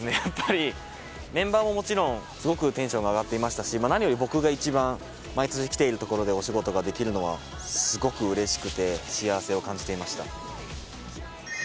やっぱりメンバーももちろんすごくテンションが上がっていましたし何より僕が一番毎年来ている所でお仕事ができるのはすごくうれしくて幸せを感じていました。